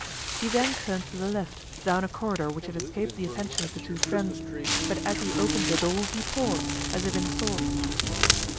He then turned to the left, down a corridor which had escaped the attention of the two friends, but as he opened the door he paused, as if in thought.